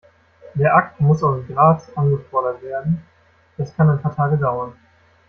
Der Akt muss aus Graz angefordert werden, das kann ein paar Tage dauern.